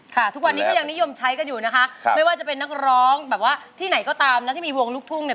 ทุกวันนี้ก็ยังนิยมใช้กันอยู่นะคะไม่ว่าจะเป็นนักร้องแบบว่าที่ไหนก็ตามนะที่มีวงลูกทุ่งเนี่ย